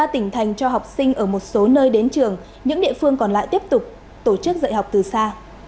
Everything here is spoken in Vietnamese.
ba tỉnh thành cho học sinh ở một số nơi đến trường những địa phương còn lại tiếp tục tổ chức dạy học từ xa